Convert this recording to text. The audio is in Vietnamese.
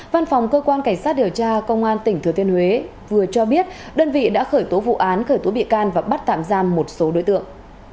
văn phòng cơ quan cảnh sát điều tra công an tỉnh thừa thiên huế vừa cho biết đơn vị đã khởi tố vụ án khởi tố bị can và bắt tạm giam một số đối tượng